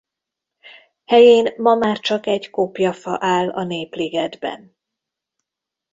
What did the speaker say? Helyén ma már csak egy kopjafa áll a Népligetben.